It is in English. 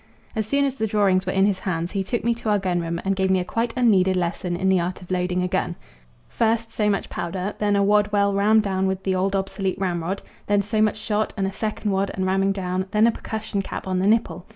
As soon as the drawings were in his hand he took me to our gun room and gave me a quite unneeded lesson in the art of loading a gun first so much powder, then a wad well rammed down with the old obsolete ramrod; then so much shot and a second wad and ramming down; then a percussion cap on the nipple.